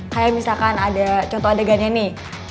kayak misalkan ada contoh adegannya nih